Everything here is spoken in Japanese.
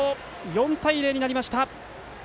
４対０になりました。